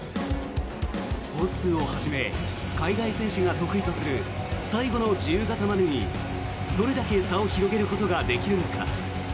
ホッスーをはじめ海外選手が得意とする最後の自由形までにどれだけ差を広げることができるのか。